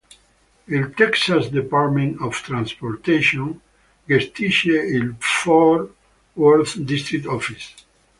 Il Texas Department of Transportation gestisce il "Fort Worth District Office".